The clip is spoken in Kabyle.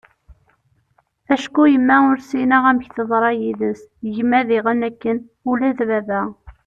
acku yemma ur ssineγ amek teḍṛa yid-s, gma diγen akken, ula d baba